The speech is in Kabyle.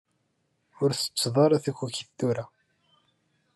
Ur tsetteḍ ara takukit tura.